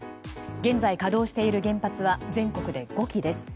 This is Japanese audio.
現在、稼働している原発は全国で５基です。